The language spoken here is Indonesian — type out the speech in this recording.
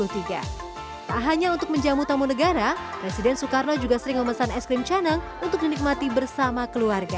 tak hanya untuk menjamu tamu negara presiden soekarno juga sering memesan es krim canang untuk dinikmati bersama keluarga